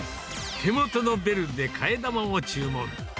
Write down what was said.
手元のベルで替え玉を注文。